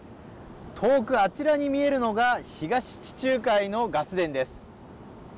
遠く、あちらに見えるのが東地中海のガス田です。